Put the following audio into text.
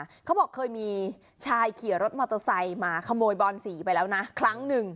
เขาบอกเคยมีชายขี่รถมอเตอร์ไซค์มาขโมยบอนสีไปแล้วนะครั้งหนึ่ง